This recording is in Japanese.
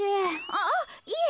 あっいえ